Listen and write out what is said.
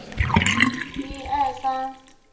被幕府收回领地。